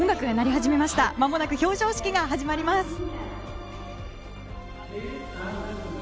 まもなく表彰式が始まります。